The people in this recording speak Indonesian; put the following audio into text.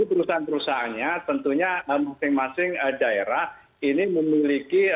perusahaan perusahaannya tentunya masing masing daerah ini memiliki